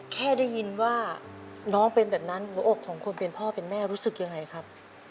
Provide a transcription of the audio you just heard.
แค่ได้ยินว่าน้องเป็นแบบนั้นหัวอกของคนเป็นพ่อเป็นแม่รู้สึกยังไงครับ